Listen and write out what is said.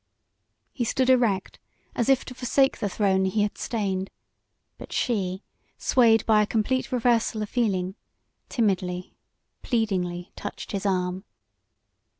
He stood erect as if to forsake the throne he had stained, but she, swayed by a complete reversal of feeling, timidly, pleadingly touched his arm.